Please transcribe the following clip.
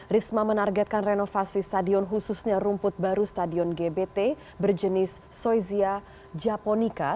risma menargetkan renovasi stadion khususnya rumput baru stadion gbt berjenis soezia japonica